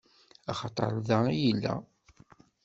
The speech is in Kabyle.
Axaṭeṛ da i yella.